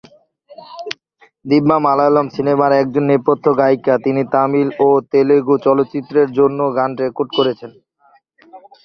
দিব্যা মালয়ালম সিনেমার একজন নেপথ্য গায়িকা, তিনি তামিল ও তেলুগু চলচ্চিত্রের জন্যও গান রেকর্ড করেছেন।